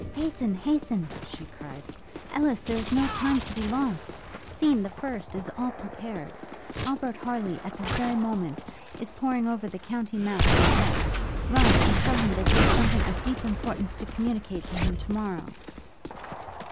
'Hasten, hasten,' she cried, 'Ellis! There is no time to be lost. Scene the first is all prepared. Albert Harleigh, at this very moment, is poring over the county map in the hall. Run and tell him that you have something of deep importance to communicate to him to morrow.'